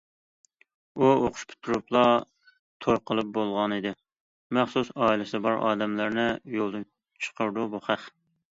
ئۇ ئوقۇش پۈتتۈرۈپلا توي قىلىپ بولغانىدى،- مەخسۇس ئائىلىسى بار ئادەملەرنى يولدىن چىقىرىدۇ بۇ خەق!